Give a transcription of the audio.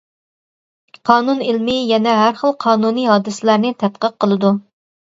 قانۇن ئىلمى يەنە ھەر خىل قانۇنىي ھادىسىلەرنى تەتقىق قىلىدۇ.